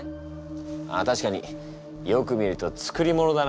ああ確かによく見ると作り物だな。